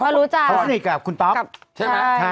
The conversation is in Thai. เขาสนิทกับคุณต๊อค